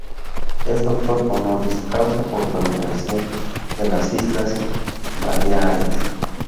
Es doctor honoris causa por la Universidad de las Islas Baleares.